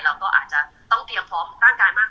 ถึงแม้ว่าการแข่งขันที่มันจะไม่พร้อมไม่มีมาตรฐาน